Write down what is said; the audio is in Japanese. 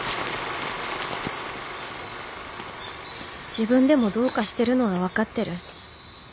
自分でもどうかしてるのは分かってる。